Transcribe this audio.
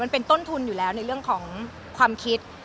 มันเป็นต้นทุนอยู่แล้วในเรื่องของความคิด